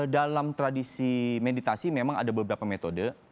dalam tradisi meditasi memang ada beberapa metode